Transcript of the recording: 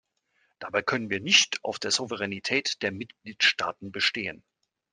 Dabei können wir nicht auf der Souveränität der Mitgliedstaaten bestehen.